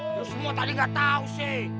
lo semua tadi gak tau sih